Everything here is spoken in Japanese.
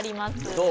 どう？